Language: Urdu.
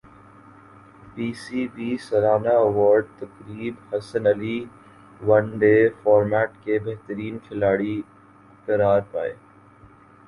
پی سی بی سالانہ ایوارڈ تقریب Hasan Ali one day format کے بہترین کھلاڑی قرار پائے